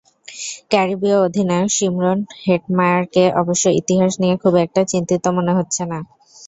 ক্যারিবীয় অধিনায়ক শিমরন হেটমায়ারকে অবশ্য ইতিহাস নিয়ে খুব একটা চিন্তিত মনে হচ্ছে না।